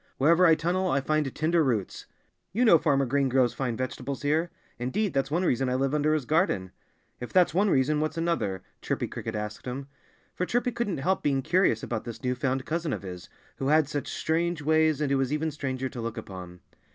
Wherever I tunnel I find tender roots. You know Farmer Green grows fine vegetables here. Indeed that's one reason I live under his garden." "If that's one reason, what's another?" Chirpy Cricket asked him. For Chirpy couldn't help being curious about this new found cousin of his, who had such strange ways and who was even stranger to look upon.